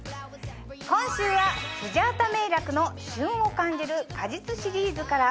今週はスジャータめいらくの旬を感じる果実シリーズから。